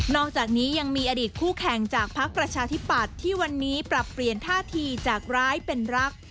อกจากนี้ยังมีอดีตคู่แข่งจากพักประชาธิปัตย์ที่วันนี้ปรับเปลี่ยนท่าทีจากร้ายเป็นรัก